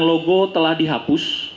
logo telah dihapus